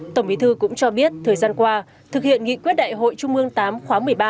tổng bí thư cũng cho biết thời gian qua thực hiện nghị quyết đại hội trung ương viii khóa một mươi ba